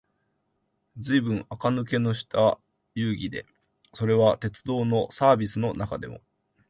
ずいぶん垢抜けのした遊戯で、それは鉄道のサーヴィスの中でも、